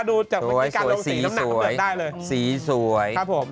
ได้เลยครับผมนะฮะสีสวย